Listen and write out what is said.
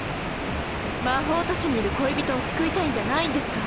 魔法都市にいる恋人を救いたいんじゃないんですか？